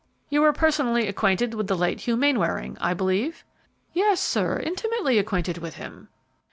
"You were personally acquainted with the late Hugh Mainwaring, I believe?" "Yes, sir, intimately acquainted with him."